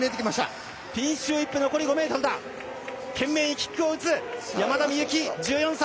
懸命にキックを打つ山田美幸、１４歳！